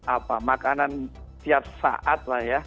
apa makanan tiap saat lah ya